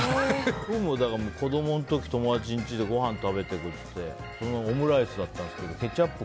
俺も子供の時、友達の家でごはんを食べていくって言ってオムライスだったんですけどケチャップ